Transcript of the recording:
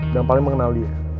dan paling mengenal dia